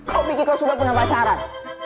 kau pikir kau sudah pernah pacaran